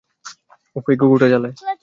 উফ, এই কুকুরটার জ্বালায়!